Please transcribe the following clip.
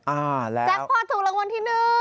อ้าวแล้วแจ๊คพอร์ตถูกรางวัลที่หนึ่ง